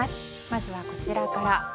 まずは、こちらから。